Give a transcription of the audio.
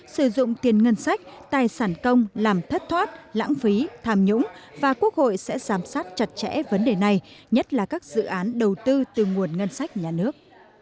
sử dụng tiền ngân sách tài sản công làm thất thoát lãng phí tham nhũng và quốc hội sẽ giám sát chặt chẽ vấn đề này nhất là các dự án đầu tư từ nguồn ngân sách nhà nước